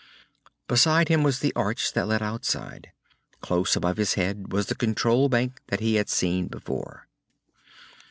Beside him was the arch that led outside. Close above his head was the control bank that he had seen before.